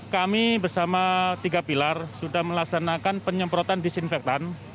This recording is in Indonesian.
kami bersama tiga pilar sudah melaksanakan penyemprotan disinfektan